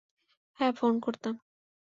হ্যাঁ, ফোন করতাম।